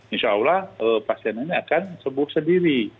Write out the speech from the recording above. insya allah pasien ini akan sembuh sendiri